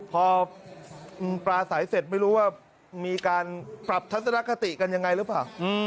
พอปลาสายเสร็จไม่รู้ว่ามีการปรับถัดสนักขณะกิ๊ยกันอย่างไรหรือป่ะ